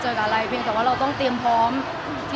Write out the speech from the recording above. หมายถึงว่าความดังของผมแล้วทำให้เพื่อนมีผลกระทบอย่างนี้หรอค่ะ